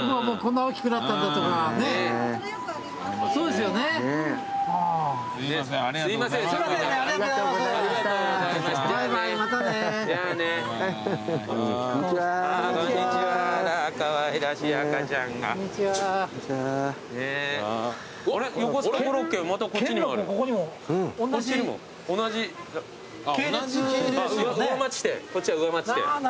こっちは上町店。